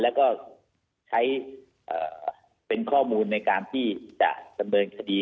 และก็สปอร์ตเรียนว่าคำน่าจะมีการล็อคกรมการสังขัดสปอร์ตเรื่องหน้าในวงการกีฬาประกอบสนับไทย